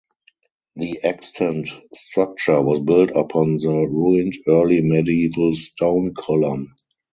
The extant structure was built upon the ruined early medieval stone column.